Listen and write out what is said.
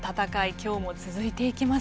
今日も続いていきます。